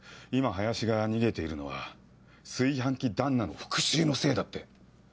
今林が逃げているのは炊飯器旦那の復讐のせいだって。